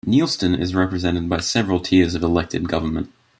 Neilston is represented by several tiers of elected government.